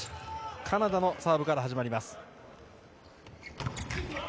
カナダのサーブから始まります。